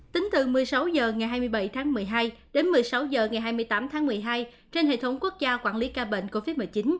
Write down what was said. tính từ một mươi sáu h ngày hai mươi bảy tháng một mươi hai đến một mươi sáu h ngày hai mươi tám tháng một mươi hai trên hệ thống quốc gia quản lý ca bệnh covid một mươi chín